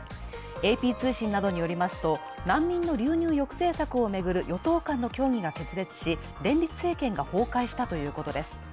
ＡＰ通信などによりますと難民の流入抑制策を巡る与党間の協議が決裂し連立政権が崩壊したということです。